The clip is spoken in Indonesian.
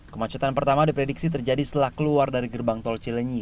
kemacetan pertama diprediksi terjadi setelah keluar dari gerbang tol cilenyi